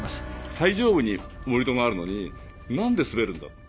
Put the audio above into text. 最上部に盛り土があるのに何で滑るんだろう？